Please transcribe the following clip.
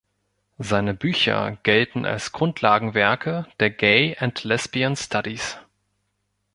Seine Bücher gelten als Grundlagenwerke der Gay and Lesbian Studies.